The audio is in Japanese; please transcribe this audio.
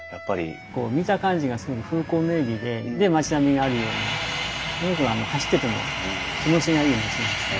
こう見た感じがすごく風光明美でで町並みがあるようなすごく走ってても気持ちがいい町なんですね。